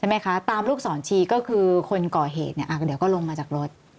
ไหมคะตามลูกศรชีก็คือคนก่อเหตุเนี่ยเดี๋ยวก็ลงมาจากรถ